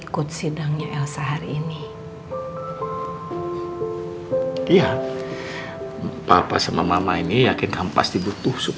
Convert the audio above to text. kejalan sekarang aku bawa telat